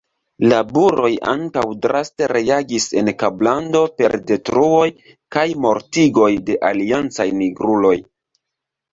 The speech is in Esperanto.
La buroj ankaŭ draste reagis en Kablando per detruoj kaj mortigoj de aliancaj nigruloj.